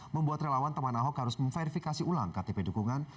membuat relawan teman ahok harus memverifikasi ulang ktp dukungan